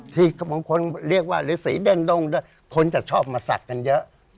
บางคนเรียกว่าหรือสีเด้งคนจะชอบมาศักดิ์กันเยอะ